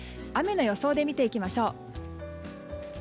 雨の予想で見ていきましょう。